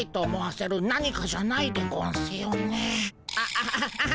アハハハハ。